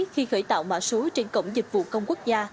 khi khởi tạo mạ số trên cổng dịch vụ công quốc gia